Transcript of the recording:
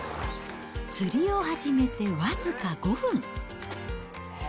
釣りを始めて僅か５分。